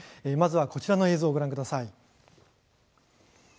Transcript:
まずは、こちらの映像をご覧ください。